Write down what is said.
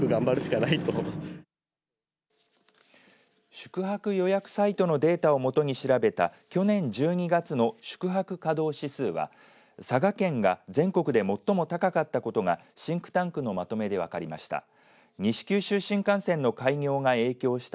宿泊予約サイトのデータを基に調べた去年１２月の宿泊稼働指数は佐賀県が全国で最も高かったことがシンクタンクのまとめで分かりました。